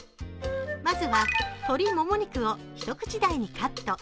まずは鶏もも肉を一口大にカット。